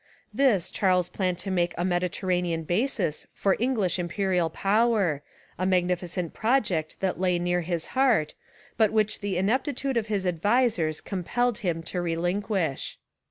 This Charles planned to make a Mediterranean basis for English imperial power, a magnificent project that lay near his heart, but which the ineptitude of his advisers compelled him to relinquish.